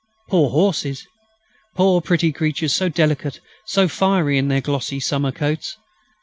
Poor horses! Poor, pretty creatures, so delicate, so fiery, in their glossy summer coats!